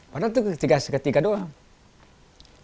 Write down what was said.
padahal itu ketiga tiga doang